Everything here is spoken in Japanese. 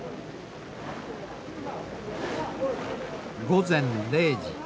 午前０時。